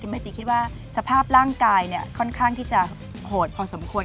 มาจีคิดว่าสภาพร่างกายค่อนข้างที่จะโหดพอสมควร